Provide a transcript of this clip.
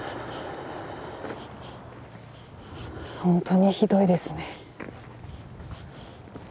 本当にひどいですね。